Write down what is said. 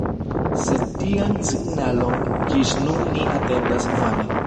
Sed tian signalon ĝis nun ni atendas vane.